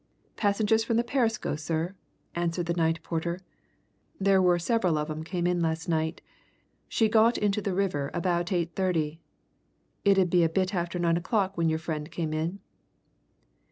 "Passengers from the Perisco, sir?" answered the night porter. "There were several of 'em came in last night she got into the river about eight thirty. It 'ud be a bit after nine o'clock when your friend came in."